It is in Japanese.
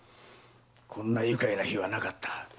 こんな愉快な日はなかった。